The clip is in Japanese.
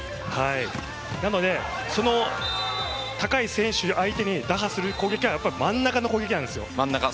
なのでその高い選手相手を打破する攻撃力は真ん中の攻撃なんです。